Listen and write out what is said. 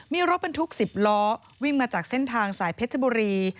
มีรถบรรทุก๑๐ล้อวิ่งมาจากเส้นทางสายเพชรบุรี